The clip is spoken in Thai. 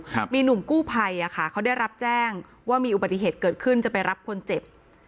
ครับมีหนุ่มกู้ภัยอ่ะค่ะเขาได้รับแจ้งว่ามีอุบัติเหตุเกิดขึ้นจะไปรับคนเจ็บ